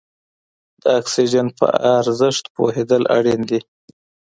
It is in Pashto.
د اکسیجن په ارزښت پوهېدل اړین دي.